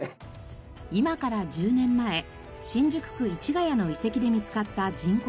今から１０年前新宿区市谷の遺跡で見つかった人骨です。